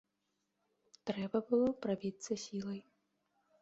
Трэба было прабіцца сілай.